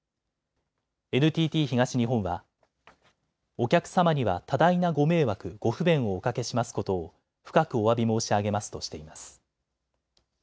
ＮＴＴ東日本はお客様には多大なご迷惑・ご不便をおかけしますことを深くおわび申し上げますとしています。